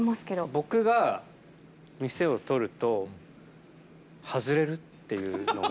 僕が店を取ると、外れるっていうのが。